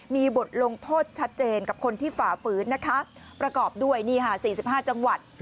มีบทลงโทษชัดเจนกับคนที่ฝาฟื้นนะคะประกอบด้วยนี่ฮะสี่สิบห้าจังหวัด